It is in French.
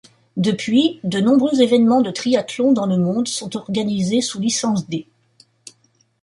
Depuis, de nombreux événements de triathlon dans le monde sont organisés sous licence d'.